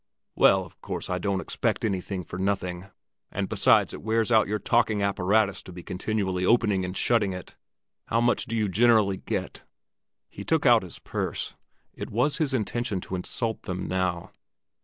"Well, of course I don't expect anything for nothing! And besides it wears out your talking apparatus to be continually opening and shutting it. How much do you generally get?" He took out his purse; it was his intention to insult them now.